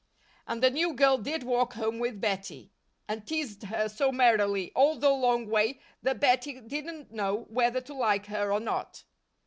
And the new girl did walk home with Bettie, and teased her so merrily all the long way that Bettie didn't know whether to like her or not.